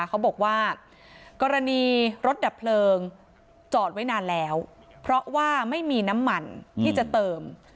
เขาบอกว่ากรณีรถดับเพลิงจอดไว้นานแล้วเพราะว่าไม่มีน้ำมันที่จะเติม